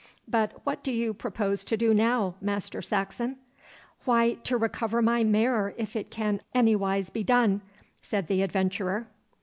But what do you propose to do now, Master Saxon?' 'Why, to recover my mare if it can anywise be done,' said the adventurer.